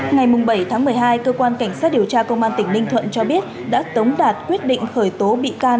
ngày bảy tháng một mươi hai cơ quan cảnh sát điều tra công an tỉnh ninh thuận cho biết đã tống đạt quyết định khởi tố bị can